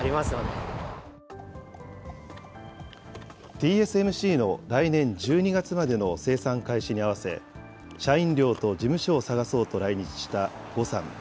ＴＳＭＣの来年１２月までの生産開始に合わせ、社員寮と事務所を探そうと来日した呉さん。